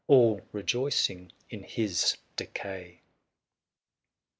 All rejoicing in his decay.